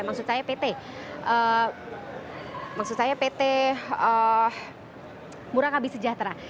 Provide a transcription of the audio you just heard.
maksud saya pt murakabi sejahtera